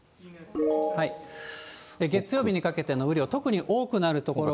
月曜日にかけての雨量、特に多くなる所が。